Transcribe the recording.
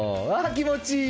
気持ちいい？